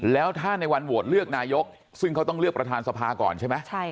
แล้วถ้าในวันโหวตเลือกนายกซึ่งเขาต้องเลือกประธานสภาก่อนใช่ไหม